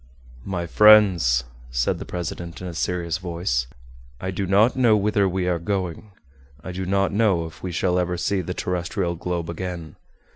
"My friends," said the president, in a serious voice, "I do not know whither we are going; I do not know if we shall ever see the terrestrial globe again.